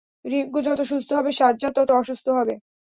রিংকু যত সুস্থ হবে সাজ্জাদ তত অসুস্থ হবে।